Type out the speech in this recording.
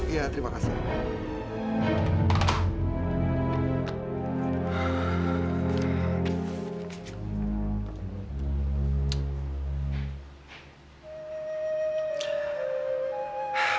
iya terima kasih